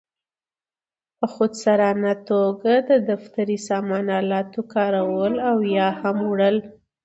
په خودسرانه توګه د دفتري سامان آلاتو کارول او یا هم وړل.